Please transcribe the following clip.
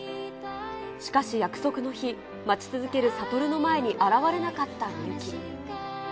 しかし、約束の日、待ち続ける悟の前に現れなかったみゆき。